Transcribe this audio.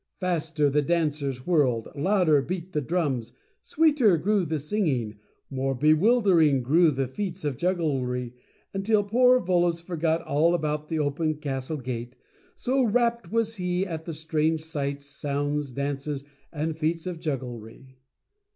Faster the dancers whirled — louder beat the drums — sweeter grew the singing — more bewildering grew the Fable of the Mentative Couple 79 feats of jugglery — until poor Volos forgot all about the open Castle Gate, so rapt was he at the strange sights, sounds, dances, and feats of jugglery.